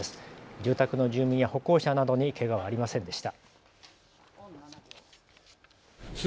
住宅の住民や歩行者などにけがはありませんでした。